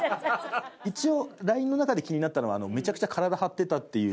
一応ＬＩＮＥの中で気になったのはめちゃくちゃ体張ってたっていう。